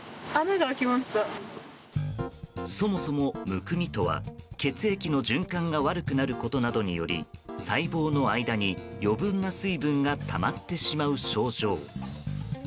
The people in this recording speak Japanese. そもそも、むくみとは血液の循環が悪くなることなどにより細胞の間に余分な水分がたまってしまう症状。